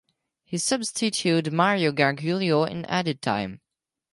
He substituted Mario Gargiulo in added time.